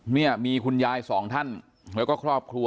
เนี่ยมีคุณยาย๒ท่านนะครับก็ครอบครัว